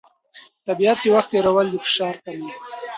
په طبیعت کې وخت تېرول د فشار کموي.